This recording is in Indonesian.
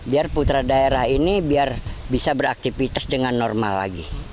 biar putra daerah ini biar bisa beraktivitas dengan normal lagi